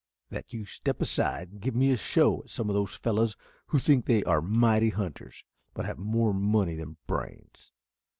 "That you step aside and give me a show at some of those fellows who think they are mighty hunters, but have more money than brains.